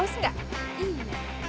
aus gak iya